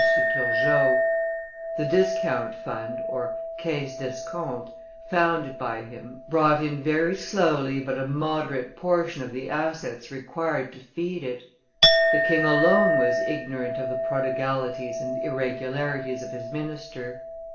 Turgot; the discount fund (caisse d'escompte) founded by him brought in very slowly but a moderate portion of the assets required to feed it; the king alone was ignorant of the prodigalities and irregularities of his minister.